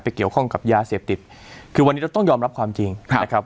เกี่ยวข้องกับยาเสพติดคือวันนี้เราต้องยอมรับความจริงนะครับ